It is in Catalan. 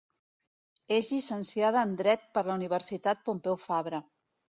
És llicenciada en Dret per la Universitat Pompeu Fabra.